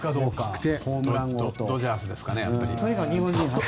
ドジャースですかね。